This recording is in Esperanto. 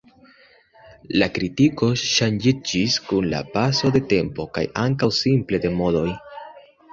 La kritiko ŝanĝiĝis kun la paso de tempo kaj ankaŭ simple de modoj.